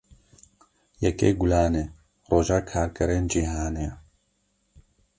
Yekê Gulanê, roja karkerên cîhanê ye